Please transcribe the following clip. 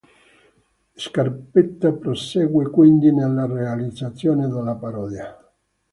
Scarpetta prosegue quindi nella realizzazione della parodia.